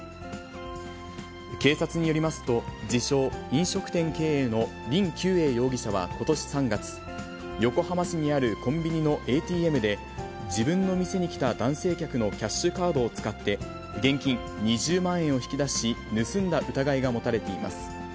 警察によりますと、自称、飲食店経営の林球英容疑者はことし３月、横浜市にあるコンビニのＡＴＭで、自分の店に来た男性客のキャッシュカードを使って、現金２０万円を引き出し、盗んだ疑いが持たれています。